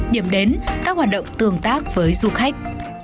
điểm đến các hoạt động tương tác với du khách